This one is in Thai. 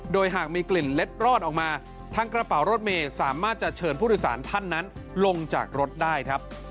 โดยหากมีกลิ่นเล็ดรอดออกมาทางกระเป๋ารถเมย์สามารถจะเชิญผู้โดยสารท่านนั้นลงจากรถได้ครับ